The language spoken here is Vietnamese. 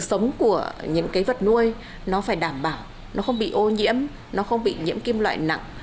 sống của những cái vật nuôi nó phải đảm bảo nó không bị ô nhiễm nó không bị nhiễm kim loại nặng